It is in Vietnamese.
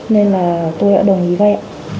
nên là tôi đã đồng ý vay